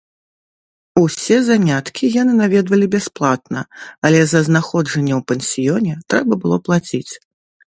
Усе заняткі яны наведвалі бясплатна, але за знаходжанне ў пансіёне трэба было плаціць.